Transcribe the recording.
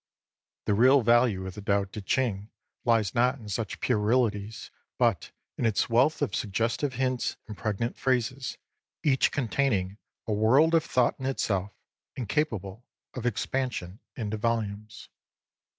The real value of the Tao T£ Ching lies not in such puerilities, but in its wealth of suggestive hints and pregnant phrases, each containing a world of thought in itself and capable of ex pansion into volumes.